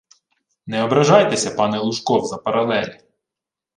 Не ображайтеся, пане Лужков, за паралелі